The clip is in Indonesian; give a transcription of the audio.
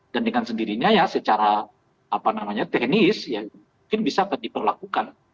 dan dengan sendirinya ya secara apa namanya teknis ya mungkin bisa diperlakukan